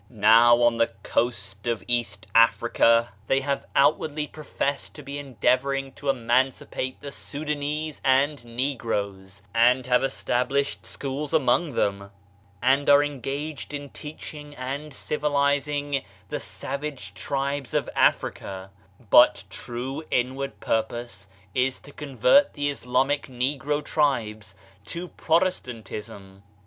Now, on the coast of East Africa, they have outwardly professed to be endeavoring to emancipate the Soudanese and negroes and have established schools among them, and are engaged in teaching and civilizing the savage tribes of Africa; but true inward purpose is to convert the Islamic negro tribes to Protestantism.